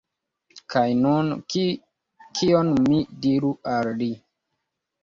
Kaj nun, kion mi diru al li?